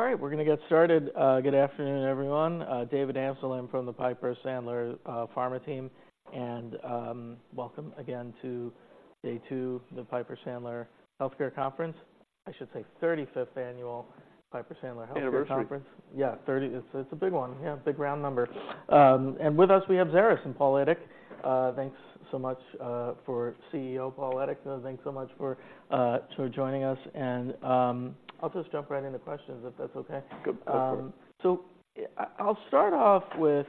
All right, we're gonna get started. Good afternoon, everyone. David Amsellem from the Piper Sandler pharma team, and welcome again to day two of the Piper Sandler Healthcare Conference. I should say 35th Annual Piper Sandler Healthcare Conference. Anniversary. Yeah, 30. It's a big one. Yeah, a big round number. And with us, we have Xeris and Paul Edick. Thanks so much for CEO Paul Edick. Thanks so much for joining us. And I'll just jump right into questions, if that's okay. Good. Uh- So I'll start off with,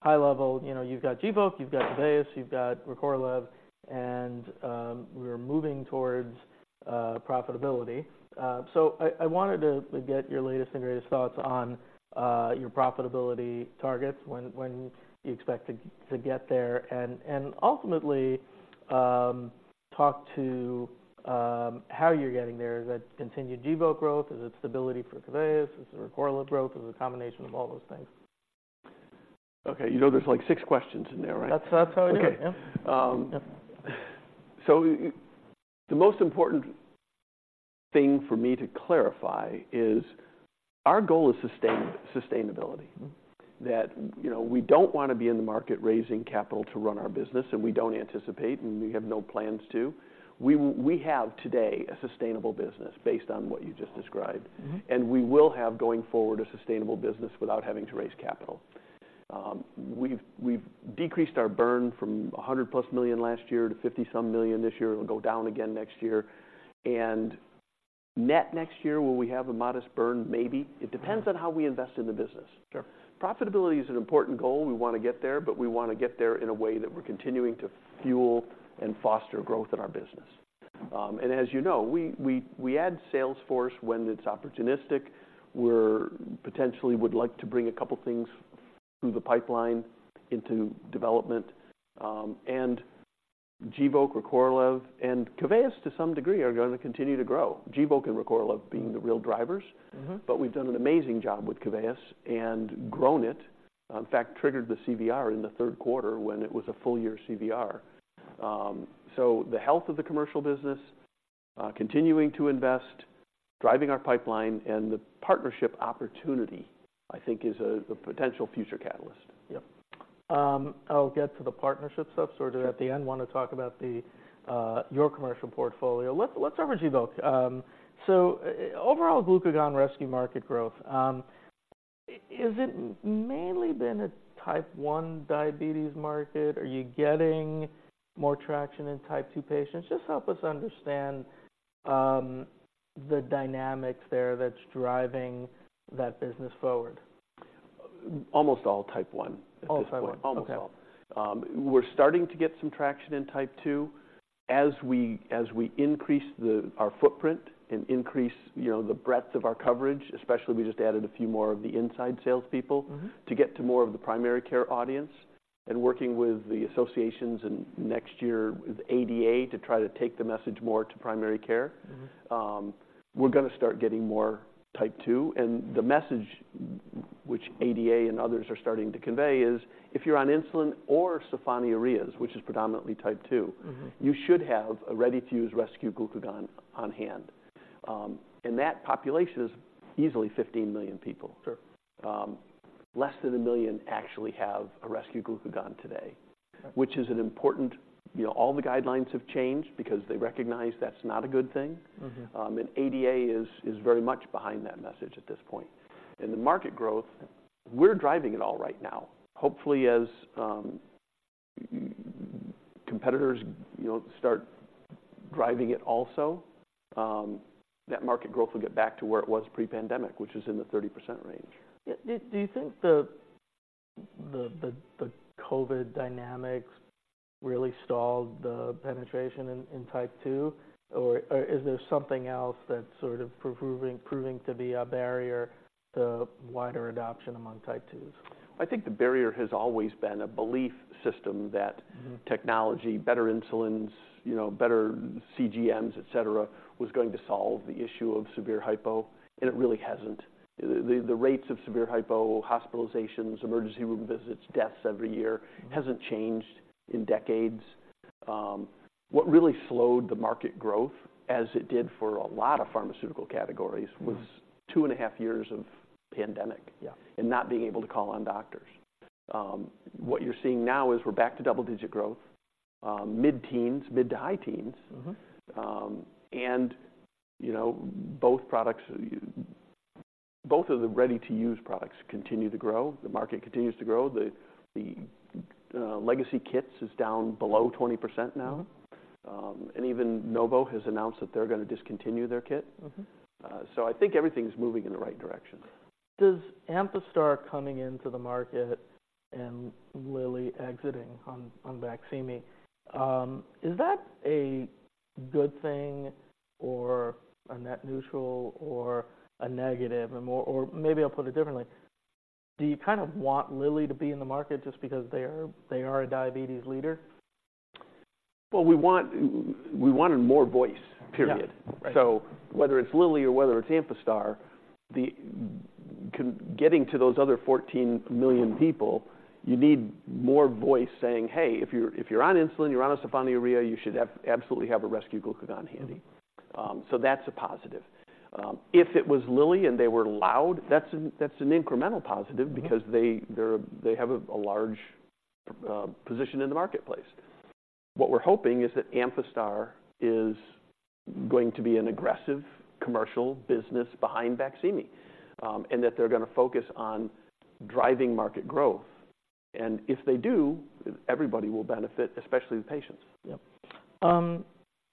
high level. You know, you've got Gvoke, you've got Keveyis, you've got Recorlev, and, we're moving towards, profitability. So I wanted to get your latest and greatest thoughts on, your profitability targets, when you expect to get there, and ultimately, talk to, how you're getting there. Is that continued Gvoke growth? Is it stability for Keveyis? Is it Recorlev growth? Is it a combination of all those things? Okay, you know, there's like six questions in there, right? That's how it is. Okay. Yeah. So the most important thing for me to clarify is our goal is sustainability. Mm-hmm. That, you know, we don't want to be in the market raising capital to run our business, and we don't anticipate, and we have no plans to. We have today a sustainable business based on what you just described. Mm-hmm. We will have, going forward, a sustainable business without having to raise capital. We've decreased our burn from $100+ million last year to $50-some million this year. It'll go down again next year. Net next year, will we have a modest burn? Maybe. Mm-hmm. It depends on how we invest in the business. Sure. Profitability is an important goal. We want to get there, but we want to get there in a way that we're continuing to fuel and foster growth in our business. As you know, we add sales force when it's opportunistic. We're potentially would like to bring a couple things through the pipeline into development. Gvoke, Recorlev, and Keveyis, to some degree, are going to continue to grow, Gvoke and Recorlev being the real drivers. Mm-hmm. But we've done an amazing job with Keveyis and grown it. In fact, triggered the CVR in the third quarter when it was a full year CVR. So the health of the commercial business, continuing to invest, driving our pipeline, and the partnership opportunity, I think is a, the potential future catalyst. Yep. I'll get to the partnership stuff sort of at the end. Want to talk about the your commercial portfolio. Let's cover Gvoke. So overall, glucagon rescue market growth, is it mainly been a Type 1 diabetes market? Are you getting more traction in Type 2 patients? Just help us understand the dynamics there that's driving that business forward. Almost all Type 1 at this point. All Type 1. Almost all. Okay. We're starting to get some traction in Type 2. As we increase our footprint and increase, you know, the breadth of our coverage, especially, we just added a few more of the inside salespeople- Mm-hmm... to get to more of the primary care audience and working with the associations and next year with ADA, to try to take the message more to primary care. Mm-hmm. We're gonna start getting more Type 2, and the message, which ADA and others are starting to convey, is if you're on insulin or sulfonylureas, which is predominantly Type 2- Mm-hmm... you should have a ready-to-use rescue glucagon on hand. And that population is easily 15 million people. Sure. Less than 1 million actually have a rescue glucagon today- Okay... which is an important, you know, all the guidelines have changed because they recognize that's not a good thing. Mm-hmm. And ADA is very much behind that message at this point. And the market growth, we're driving it all right now. Hopefully, as competitors, you know, start driving it also, that market growth will get back to where it was pre-pandemic, which is in the 30% range. Yeah. Do you think the COVID dynamics really stalled the penetration in Type 2, or is there something else that's sort of proving to be a barrier to wider adoption among Type 2s? I think the barrier has always been a belief system that... Mm-hmm... technology, better insulins, you know, better CGMs, et cetera, was going to solve the issue of severe hypo, and it really hasn't. The rates of severe hypo, hospitalizations, emergency room visits, deaths every year- Mm... hasn't changed in decades. What really slowed the market growth, as it did for a lot of pharmaceutical categories- Mm... was two and a half years of pandemic- Yeah... and not being able to call on doctors. What you're seeing now is we're back to double-digit growth, mid-teens, mid to high teens. Mm-hmm. You know, both products, both of the ready-to-use products continue to grow. The market continues to grow. The legacy kits is down below 20% now. Mm-hmm. Even Novo has announced that they're gonna discontinue their kit. Mm-hmm. I think everything's moving in the right direction. Does Amphastar coming into the market and Lilly exiting on, on Baqsimi, is that a good thing or a net neutral or a negative? Or more... Or maybe I'll put it differently. Do you kind of want Lilly to be in the market just because they are, they are a diabetes leader? Well, we wanted more voice, period. Yeah. Right. So whether it's Lilly or whether it's Amphastar, the concern getting to those other 14 million people, you need more voice saying, "Hey, if you're on insulin, you're on sulfonylurea, you should absolutely have a rescue glucagon handy." So that's a positive. If it was Lilly and they were loud, that's an incremental positive- Mm-hmm. because they have a large position in the marketplace. What we're hoping is that Amphastar is going to be an aggressive commercial business behind Baqsimi. And that they're gonna focus on driving market growth, and if they do, everybody will benefit, especially the patients. Yep.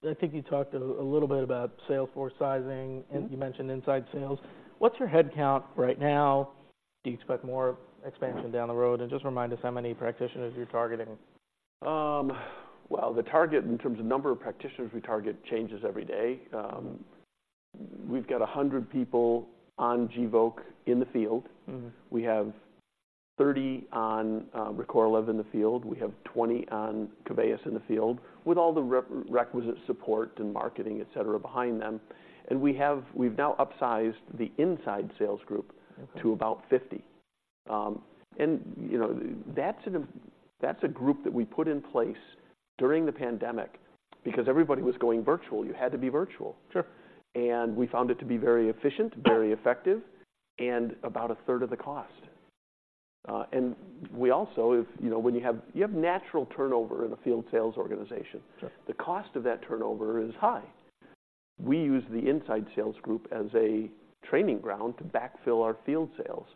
I think you talked a little bit about sales force sizing. Mm-hmm. and you mentioned inside sales. What's your headcount right now? Do you expect more expansion down the road? And just remind us how many practitioners you're targeting. Well, the target in terms of number of practitioners we target changes every day. We've got 100 people on Gvoke in the field. Mm-hmm. We have 30 on Recorlev in the field. We have 20 on Keveyis in the field, with all the requisite support and marketing, et cetera, behind them. We've now upsized the inside sales group. Okay... to about 50. And, you know, that's a group that we put in place during the pandemic. Because everybody was going virtual. You had to be virtual. Sure. We found it to be very efficient, very effective, and about a third of the cost. You know, when you have natural turnover in a field sales organization. Sure. The cost of that turnover is high. We use the inside sales group as a training ground to backfill our field sales,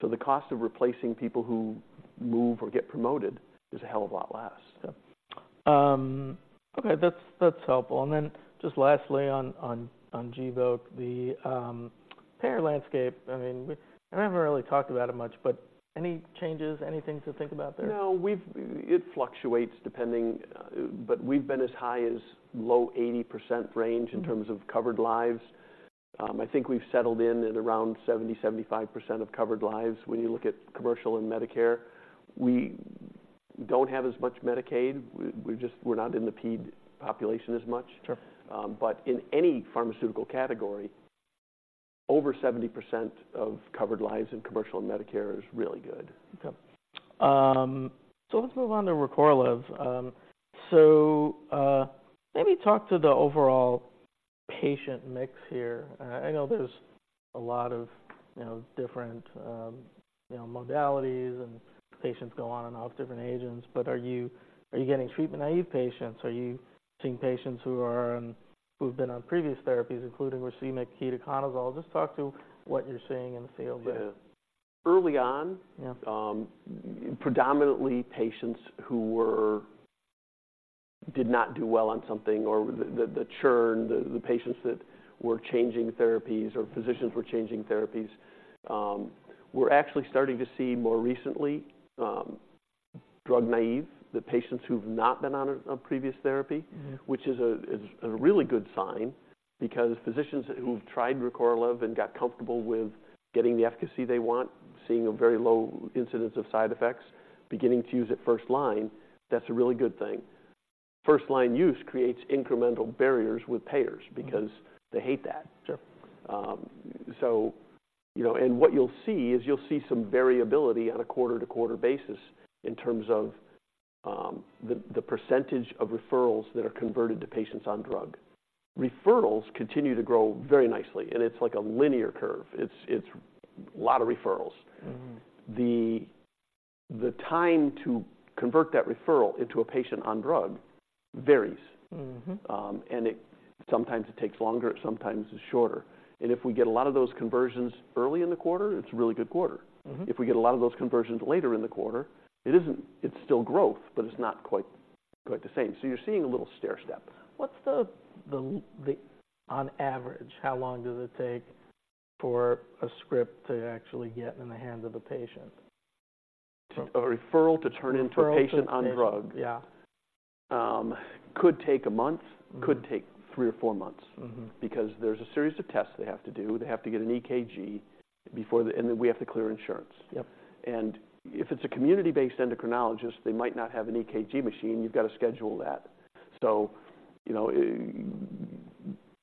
so the cost of replacing people who move or get promoted is a hell of a lot less. Yeah. Okay, that's helpful. And then just lastly, on Gvoke, the payer landscape. I mean, we haven't really talked about it much, but any changes, anything to think about there? No. It fluctuates, depending... But we've been as high as low 80% range- Mm-hmm. In terms of covered lives. I think we've settled in at around 70%-75% of covered lives when you look at commercial and Medicare. We don't have as much Medicaid. We just, we're not in the paid population as much. Sure. in any pharmaceutical category, over 70% of covered lives in commercial and Medicare is really good. Okay. So let's move on to Recorlev. Maybe talk to the overall patient mix here. I know there's a lot of, you know, different, you know, modalities and patients go on and off different agents, but are you, are you getting treatment-naive patients? Are you seeing patients who are on, who've been on previous therapies, including racemic ketoconazole? Just talk to what you're seeing in the field there. Yeah. Early on- Yeah... predominantly, patients who did not do well on something or the churn, the patients that were changing therapies or physicians were changing therapies. We're actually starting to see more recently, drug naive, the patients who've not been on a previous therapy- Mm-hmm... which is a really good sign because physicians who've tried Recorlev and got comfortable with getting the efficacy they want, seeing a very low incidence of side effects, beginning to use it first line, that's a really good thing. First-line use creates incremental barriers with payers- Mm-hmm. - because they hate that. Sure. So, you know, and what you'll see is you'll see some variability on a quarter-to-quarter basis in terms of the percentage of referrals that are converted to patients on drug. Referrals continue to grow very nicely, and it's like a linear curve. It's a lot of referrals. Mm-hmm. The time to convert that referral into a patient on drug varies. Mm-hmm. It sometimes takes longer, sometimes it's shorter. If we get a lot of those conversions early in the quarter, it's a really good quarter. Mm-hmm. If we get a lot of those conversions later in the quarter, it isn't. It's still growth, but it's not quite, quite the same. So you're seeing a little stair step. On average, how long does it take for a script to actually get in the hands of a patient? A referral to turn into- Referral to- - a patient on drug? Yeah. Could take a month. Mm-hmm. Could take three or four months. Mm-hmm. Because there's a series of tests they have to do. They have to get an EKG before the... Then we have to clear insurance. Yep. If it's a community-based endocrinologist, they might not have an EKG machine. You've got to schedule that. So, you know,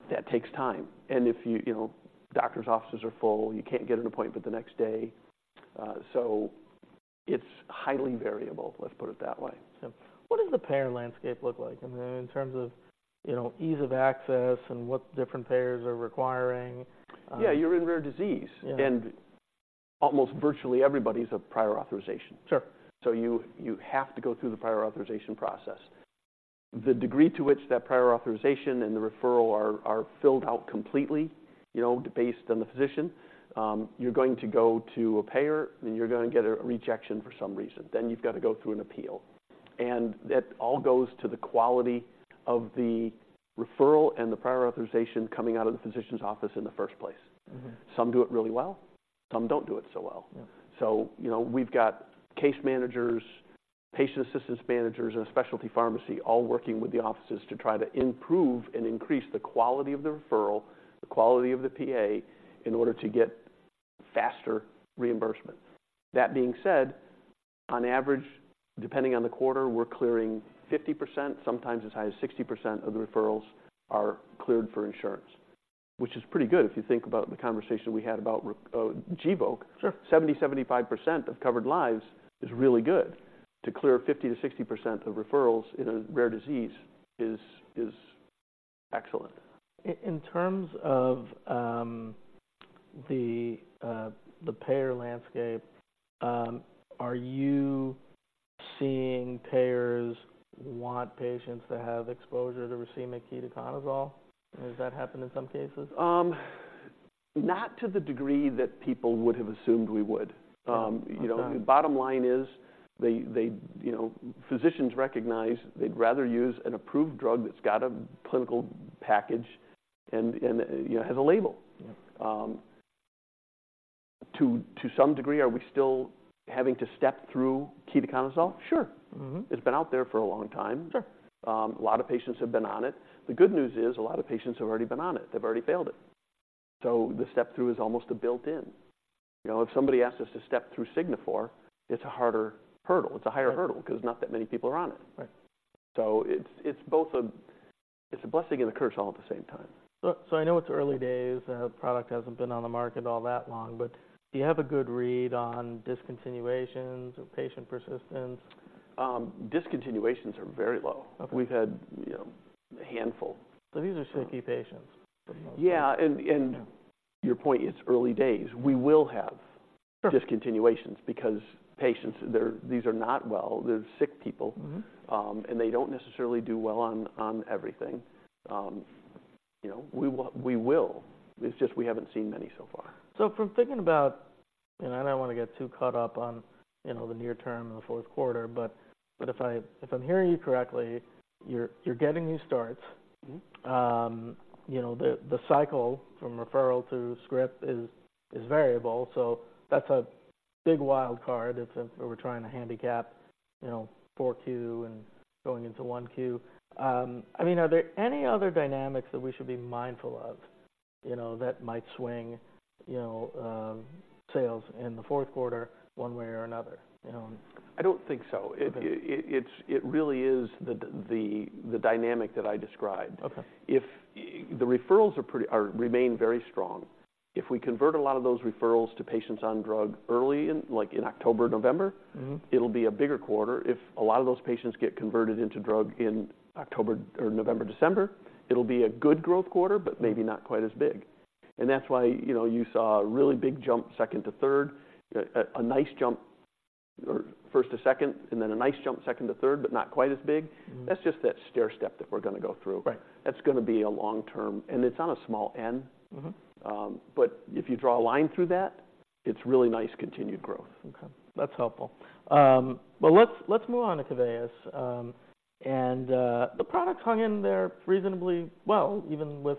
that takes time. If you, you know, doctor's offices are full, you can't get an appointment the next day, so it's highly variable. Let's put it that way. So what does the payer landscape look like? I mean, in terms of, you know, ease of access and what different payers are requiring. Yeah, you're in rare disease. Yeah. Almost virtually, everybody's a prior authorization. Sure. So you have to go through the prior authorization process. The degree to which that prior authorization and the referral are filled out completely, you know, based on the physician, you're going to go to a payer, and you're gonna get a rejection for some reason. Then you've got to go through an appeal, and that all goes to the quality of the referral and the prior authorization coming out of the physician's office in the first place. Mm-hmm. Some do it really well, some don't do it so well. Yeah. So, you know, we've got case managers, patient assistance managers, and a specialty pharmacy all working with the offices to try to improve and increase the quality of the referral, the quality of the PA, in order to get faster reimbursement. That being said, on average, depending on the quarter, we're clearing 50%, sometimes as high as 60% of the referrals are cleared for insurance, which is pretty good if you think about the conversation we had about Gvoke. Sure. 70%-75% of covered lives is really good. To clear 50%-60% of referrals in a rare disease is excellent. In terms of the payer landscape, are you seeing payers want patients to have exposure to racemic ketoconazole? Has that happened in some cases? Not to the degree that people would have assumed we would. Okay. You know, bottom line is they you know, physicians recognize they'd rather use an approved drug that's got a clinical package and you know, has a label. Yeah. To some degree, are we still having to step through ketoconazole? Sure. Mm-hmm. It's been out there for a long time. Sure. A lot of patients have been on it. The good news is a lot of patients have already been on it. They've already failed it. So the step-through is almost a built-in. You know, if somebody asks us to step through Signifor, it's a harder hurdle. It's a higher hurdle- Right... 'cause not that many people are on it. Right. So it's both a blessing and a curse all at the same time. So, I know it's early days. The product hasn't been on the market all that long, but do you have a good read on discontinuations or patient persistence? Discontinuations are very low. Okay. We've had, you know, a handful. These are sickly patients for the most part. Yeah, and your point, it's early days. We will have- Sure ...discontinuations because patients, they're—these are not well. They're sick people. Mm-hmm. They don't necessarily do well on everything. You know, we will. It's just we haven't seen many so far. So, from thinking about... I don't want to get too caught up on, you know, the near term in the fourth quarter, but if I'm hearing you correctly, you're getting these starts. Mm-hmm. You know, the cycle from referral to script is variable, so that's a big wild card. It's -- we're trying to handicap, you know, 4Q and going into 1Q. I mean, are there any other dynamics that we should be mindful of, you know, that might swing, you know, sales in the fourth quarter one way or another, you know? I don't think so. Okay. It's... It really is the dynamic that I described. Okay. If the referrals are pretty, remain very strong. If we convert a lot of those referrals to patients on drug early, like, in October, November- Mm-hmm... it'll be a bigger quarter. If a lot of those patients get converted into drug in October or November, December, it'll be a good growth quarter, but maybe not quite as big. And that's why, you know, you saw a really big jump second to third, a nice jump, or first to second, and then a nice jump second to third, but not quite as big. Mm-hmm. That's just that stairstep that we're gonna go through. Right. That's gonna be a long term, and it's on a small end. Mm-hmm. If you draw a line through that, it's really nice continued growth. Okay, that's helpful. But let's move on to Keveyis. The product hung in there reasonably well, even with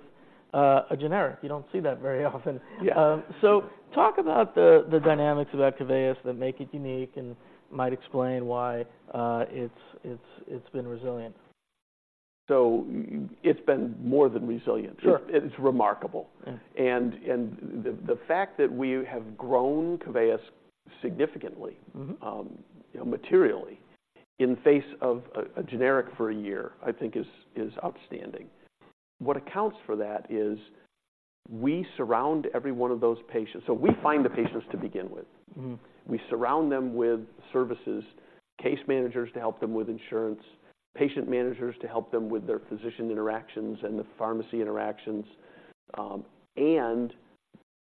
a generic. You don't see that very often. Yeah. So talk about the dynamics of that Keveyis that make it unique and might explain why it's been resilient. It's been more than resilient. Sure. It's remarkable. Yeah. And the fact that we have grown Keveyis significantly- Mm-hmm... you know, materially, in the face of a generic for a year, I think is outstanding. What accounts for that is we surround every one of those patients. So we find the patients to begin with. Mm-hmm. We surround them with services, case managers to help them with insurance, patient managers to help them with their physician interactions and the pharmacy interactions, and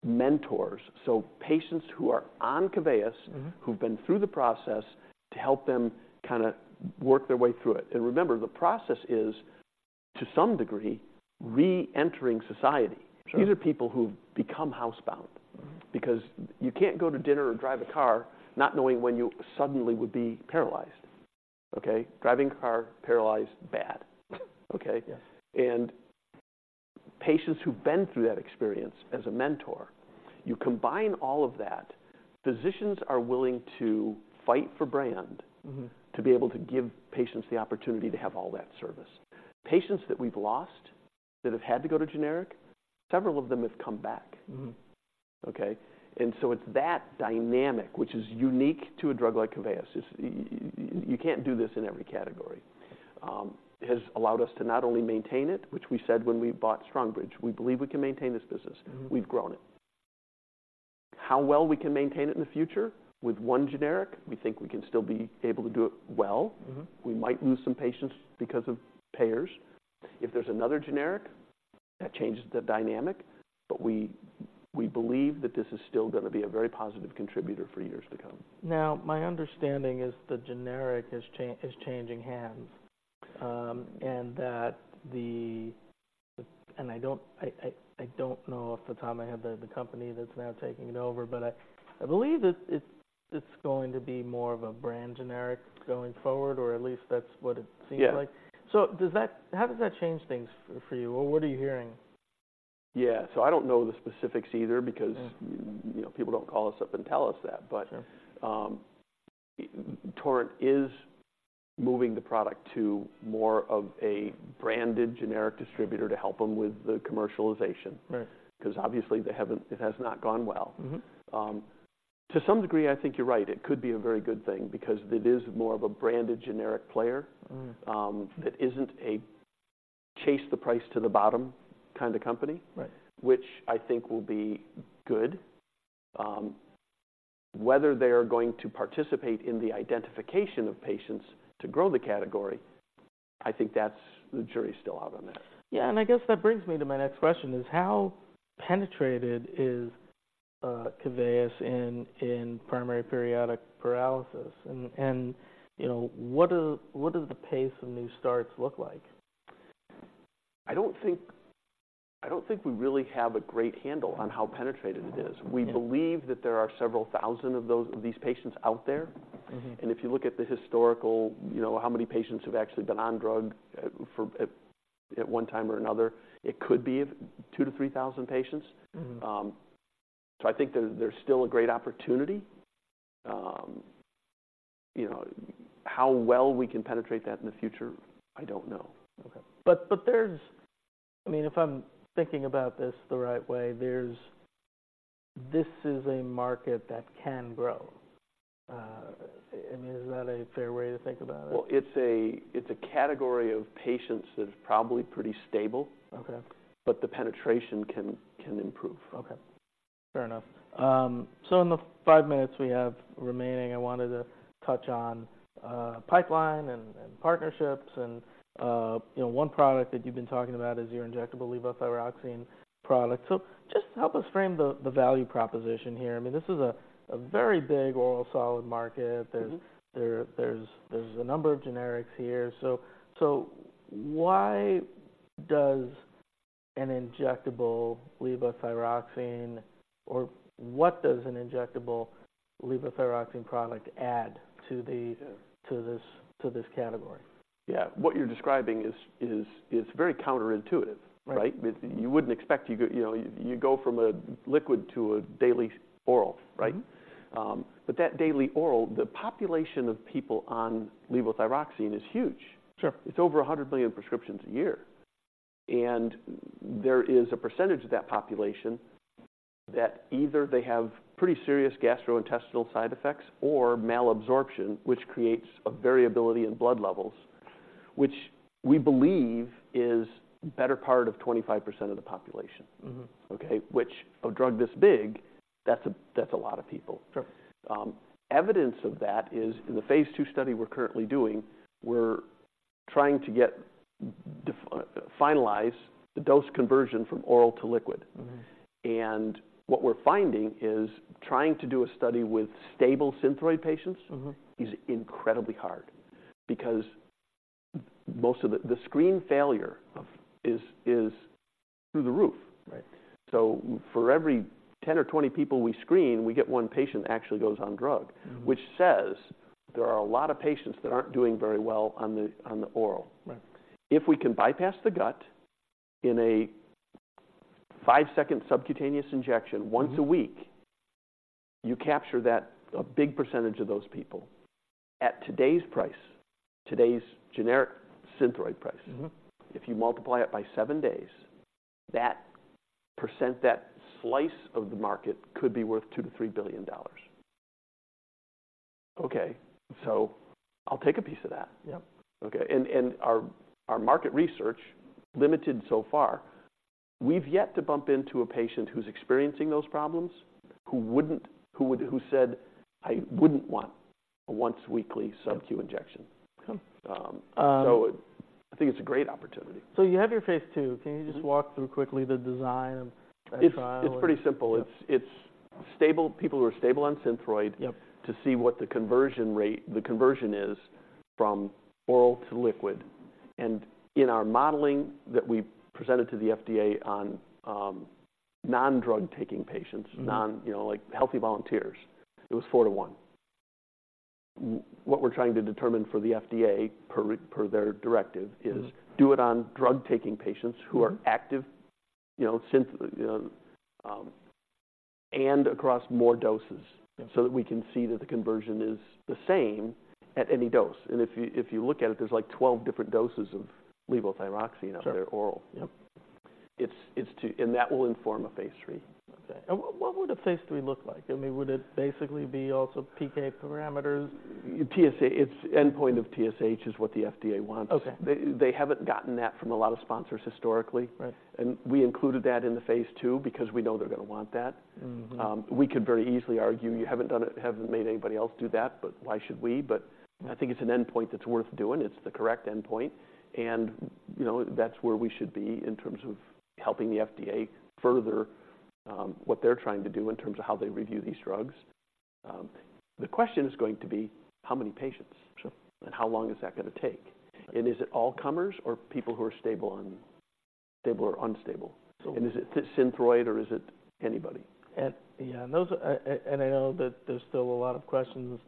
mentors, so patients who are on Keveyis- Mm-hmm... who've been through the process to help them kinda work their way through it. And remember, the process is, to some degree, reentering society. Sure. These are people who've become housebound. Mm-hmm. Because you can't go to dinner or drive a car not knowing when you suddenly would be paralyzed. Okay? Driving a car, paralyzed, bad. Okay? Yeah. Patients who've been through that experience as a mentor, you combine all of that, physicians are willing to fight for brand- Mm-hmm... to be able to give patients the opportunity to have all that service. Patients that we've lost, that have had to go to generic, several of them have come back. Mm-hmm. Okay? And so it's that dynamic, which is unique to a drug like Keveyis, you can't do this in every category, has allowed us to not only maintain it, which we said when we bought Strongbridge, we believe we can maintain this business. Mm-hmm. We've grown it. How well we can maintain it in the future with one generic, we think we can still be able to do it well. Mm-hmm. We might lose some patients because of payers. If there's another generic, that changes the dynamic, but we believe that this is still gonna be a very positive contributor for years to come. Now, my understanding is the generic is changing hands, and that I don't know off the top of my head the company that's now taking it over, but I believe it's going to be more of a brand generic going forward, or at least that's what it seems like. Yeah. So how does that change things for you, or what are you hearing? Yeah. I don't know the specifics either, because- Yeah... you know, people don't call us up and tell us that. Sure. Torrent is moving the product to more of a branded generic distributor to help them with the commercialization. Right. 'Cause obviously, it has not gone well. Mm-hmm. To some degree, I think you're right. It could be a very good thing because it is more of a branded generic player. Mm. It isn't a chase the price to the bottom kind of company- Right - which I think will be good. Whether they are going to participate in the identification of patients to grow the category, I think that's, the jury is still out on that. Yeah, and I guess that brings me to my next question, is how penetrated is Keveyis in primary periodic paralysis? And you know, what does the pace of new starts look like? I don't think, I don't think we really have a great handle on how penetrated it is. Yeah. We believe that there are several thousand of those, these patients out there. Mm-hmm. If you look at the historical, you know, how many patients have actually been on drug for at one time or another, it could be 2,000-3,000 patients. Mm-hmm. So I think there, there's still a great opportunity. You know, how well we can penetrate that in the future, I don't know. Okay. But there's... I mean, if I'm thinking about this the right way, there's, this is a market that can grow. I mean, is that a fair way to think about it? Well, it's a category of patients that is probably pretty stable. Okay. But the penetration can improve. Okay. Fair enough. So in the five minutes we have remaining, I wanted to touch on pipeline and partnerships and, you know, one product that you've been talking about is your injectable levothyroxine product. So just help us frame the value proposition here. I mean, this is a very big oral solid market. Mm-hmm. There's a number of generics here. So why does an injectable Levothyroxine... or what does an injectable Levothyroxine product add to the- Yeah to this, to this category? Yeah. What you're describing is very counterintuitive. Right. Right? You wouldn't expect you go, you know, you go from a liquid to a daily oral, right? Mm-hmm. But that daily oral, the population of people on levothyroxine is huge. Sure. It's over 100 million prescriptions a year, and there is a percentage of that population that either they have pretty serious gastrointestinal side effects or malabsorption, which creates a variability in blood levels, which we believe is better part of 25% of the population. Mm-hmm. Okay? Which, a drug this big, that's a lot of people. Sure. Evidence of that is in the phase II study we're currently doing. We're trying to finalize the dose conversion from oral to liquid. Mm-hmm. What we're finding is trying to do a study with stable Synthroid patients- Mm-hmm is incredibly hard because most of the screen failure of is through the roof. Right. For every 10 or 20 people we screen, we get one patient that actually goes on drug- Mm-hmm - which says there are a lot of patients that aren't doing very well on the oral. Right. If we can bypass the gut in a five-second subcutaneous injection- Mm-hmm - once a week, you capture that, a big percentage of those people. At today's price, today's generic Synthroid price- Mm-hmm If you multiply it by seven days, that percent, that slice of the market could be worth $2 billion-$3 billion. Okay, so I'll take a piece of that. Yep. Okay, and our market research, limited so far, we've yet to bump into a patient who's experiencing those problems who said, "I wouldn't want a once-weekly subQ injection. Okay, um- I think it's a great opportunity. You have your phase II. Mm-hmm. Can you just walk through quickly the design and the trial? It's pretty simple. Yeah. It's stable... people who are stable on Synthroid- Yep - to see what the conversion rate, the conversion is from oral to liquid. And in our modeling that we presented to the FDA on, non-drug taking patients- Mm-hmm No, you know, like, healthy volunteers, it was four-to-one. What we're trying to determine for the FDA, per, per their directive- Mm-hmm is do it on drug-taking patients. Mm-hmm - who are active, you know, Syn, and across more doses- Yeah - so that we can see that the conversion is the same at any dose. And if you, if you look at it, there's, like, 12 different doses of levothyroxine- Sure - out there, oral. Yep. It's to... And that will inform a phase III. Okay. What, what would a phase III look like? I mean, would it basically be also PK parameters? TSH, its endpoint of TSH is what the FDA wants. Okay. They haven't gotten that from a lot of sponsors historically. Right. We included that in the phase II because we know they're gonna want that. Mm-hmm. We could very easily argue, "You haven't done it, haven't made anybody else do that, but why should we?" But I think it's an endpoint that's worth doing. It's the correct endpoint, and, you know, that's where we should be in terms of helping the FDA further, what they're trying to do in terms of how they review these drugs. The question is going to be: How many patients? Sure. How long is that gonna take? Right. Is it all comers or people who are stable on... stable or unstable? So- Is it Synthroid, or is it anybody? I know that there's still a lot of questions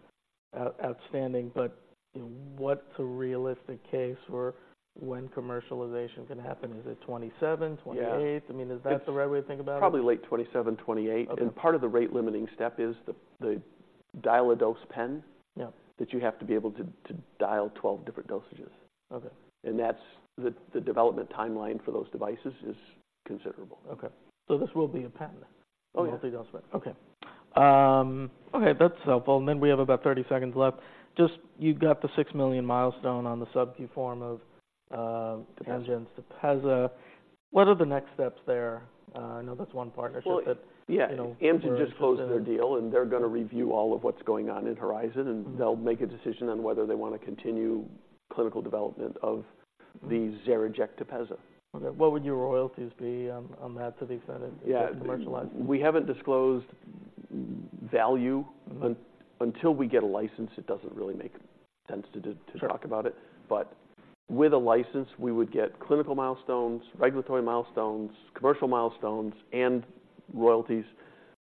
outstanding, but, you know, what's a realistic case for when commercialization can happen? Is it 2027, 2028? Yeah. I mean, is that the right way to think about it? Probably late 2027, 2028. Okay. Part of the rate-limiting step is the dial-a-dose pen- Yep - that you have to be able to dial 12 different dosages. Okay. That's the development timeline for those devices is considerable. Okay. So this will be a patent? Oh, yeah. Nothing else but... Okay. Okay, that's helpful. And then we have about 30 seconds left. Just you've got the $6 million milestone on the subQ form of,- Yes - Tepezza. What are the next steps there? I know that's one partnership that- Well, yeah You know, we're- Amgen just closed their deal, and they're gonna review all of what's going on in Horizon. Mm-hmm. They'll make a decision on whether they want to continue clinical development of- Mm-hmm - the XeriJect Tepezza. Okay, what would your royalties be on that to the extent- Yeah that it's commercialized? We haven't disclosed value. Mm-hmm. until we get a license, it doesn't really make sense to de- Sure to talk about it. But with a license, we would get clinical milestones, regulatory milestones, commercial milestones, and royalties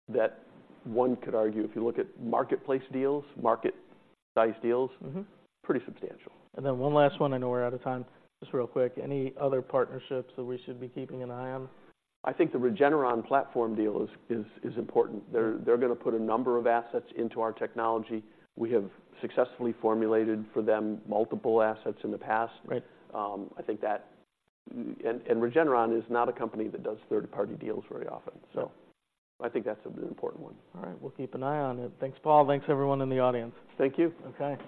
that one could argue, if you look at marketplace deals, market-sized deals- Mm-hmm - pretty substantial. One last one, I know we're out of time. Just real quick, any other partnerships that we should be keeping an eye on? I think the Regeneron platform deal is important. Yeah. They're gonna put a number of assets into our technology. We have successfully formulated for them multiple assets in the past. Right. I think that... and Regeneron is not a company that does third-party deals very often. Sure. I think that's an important one. All right. We'll keep an eye on it. Thanks, Paul. Thanks, everyone in the audience. Thank you. Okay.